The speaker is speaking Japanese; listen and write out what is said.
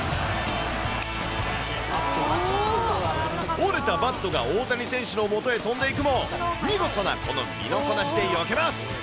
折れたバットが大谷選手のもとへ飛んでいくも、見事なこの身のこなしでよけます。